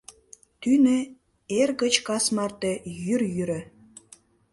Тӱнӧ эр гыч кас марте йӱр йӱрӧ.